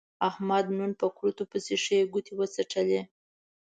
احمد نن په کورتو پسې ښې ګوتې و څټلې.